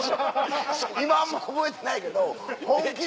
今あんま覚えてないけど本気で。